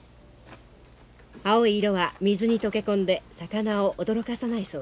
青い色は水に溶け込んで魚を驚かさないそうです。